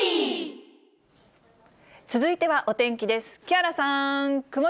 続いてはお天気です。